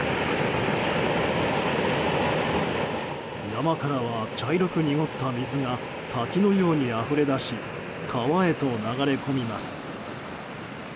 山からは茶色く濁った水が滝のようにあふれ出し川へと流れ込みます。